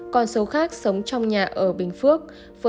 còn số khác sống trong nhà ở bình phước